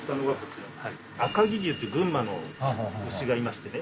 赤城牛って群馬の牛がいましてね